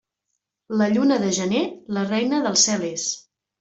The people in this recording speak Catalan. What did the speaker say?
La lluna de gener, la reina del cel és.